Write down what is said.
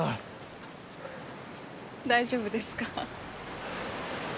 大丈夫ですか？